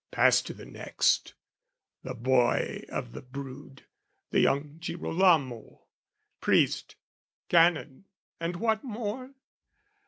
Pass to the next, The boy of the brood, the young Girolamo Priest, Canon, and what more?